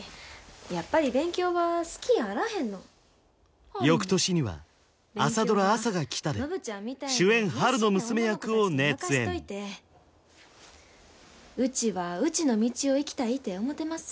やっぱり勉強は好きやあらへんの翌年には朝ドラ「あさが来た」で主演波瑠の娘役を熱演うちはうちの道をいきたいって思うてます